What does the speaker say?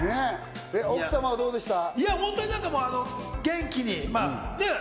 奥様はどうでした？